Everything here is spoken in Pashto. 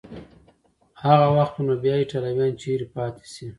هغه وخت به نو بیا ایټالویان چیري پاتې شي؟